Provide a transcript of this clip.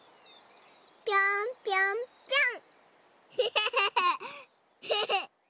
ぴょんぴょんぴょん！